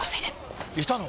いたの？